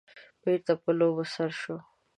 بېرته په لوبو سر شو.